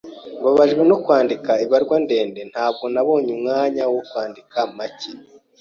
Mbabajwe no kwandika ibaruwa ndende. Ntabwo nabonye umwanya wo kwandika make.